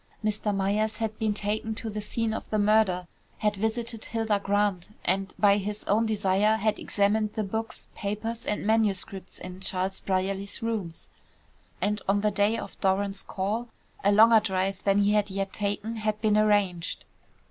Mr. Myers had been taken to the scene of the murder, had visited Hilda Grant, and by his own desire had examined the books, papers, and manuscripts in Charles Brierly's rooms, and on the day of Doran's call, a longer drive than he had yet taken had been arranged.